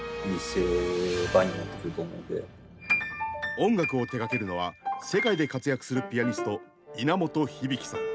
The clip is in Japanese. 音楽を手がけるのは世界で活躍するピアニスト稲本響さん。